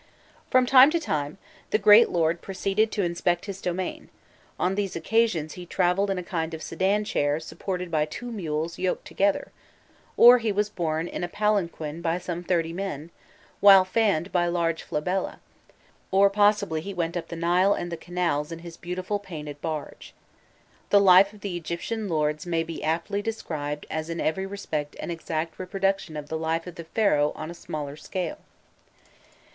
From time to time the great lord proceeded to inspect his domain: on these occasions he travelled in a kind of sedan chair, supported by two mules yoked together; or he was borne in a palanquin by some thirty men, while fanned by large flabella; or possibly he went up the Nile and the canals in his beautiful painted barge. The life of the Egyptian lords may be aptly described as in every respect an exact reproduction of the life of the Pharaoh on a smaller scale.